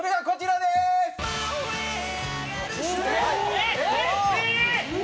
えっ！